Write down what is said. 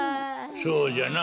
そうじゃな。